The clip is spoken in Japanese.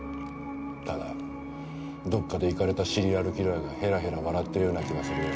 ただどっかでイカれたシリアルキラーがへらへら笑ってるような気がするよ。